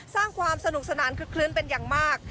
สร้างความสนุกสนานคึกคลื้นเป็นอย่างมาก